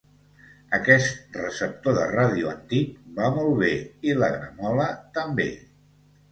Aquest receptor de ràdio antic va molt bé i la gramola també.